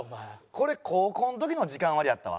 これ高校の時の時間割やったわ。